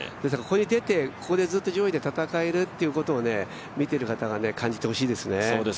ここに出て、ここでずっと上位で戦えるということを見ている方が感じてほしいですよね。